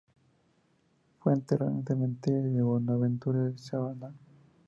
Fue enterrado en el Cementerio Bonaventure de Savannah.